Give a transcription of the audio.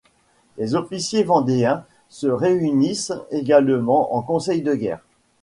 Les officiers vendéens se réunissent également en conseil de guerre.